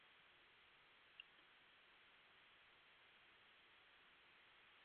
تاپا انت آ تی منیس۔